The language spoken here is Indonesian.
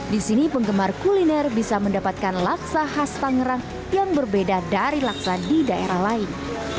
di sini penggemar kuliner bisa mendapatkan laksa khas tangerang yang berbeda dari laksa di daerah lain